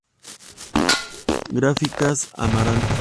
Gráficas Amaranta.